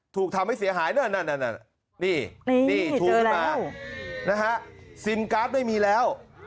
ถูกทำให้เสียหายนะนี่ถูกมาสินการ์ดไม่มีแล้ว